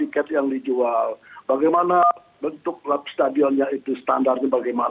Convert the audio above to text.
kemudian tentu keamanan